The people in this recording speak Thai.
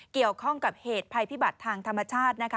เกี่ยวข้องกับเหตุภัยพิบัติทางธรรมชาตินะคะ